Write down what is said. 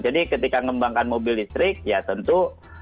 jadi ketika mengembangkan mobil listrik ya tentu